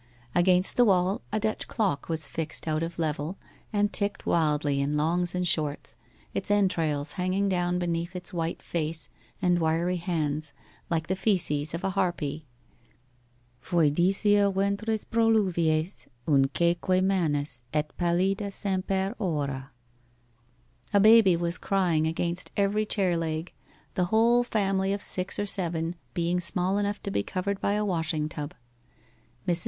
Against the wall a Dutch clock was fixed out of level, and ticked wildly in longs and shorts, its entrails hanging down beneath its white face and wiry hands, like the faeces of a Harpy ['foedissima ventris proluvies, uncaeque manus, et pallida semper ora'). A baby was crying against every chair leg, the whole family of six or seven being small enough to be covered by a washing tub. Mrs.